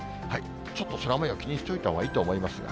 ちょっと空もよう、気にしておいたほうがいいと思いますが。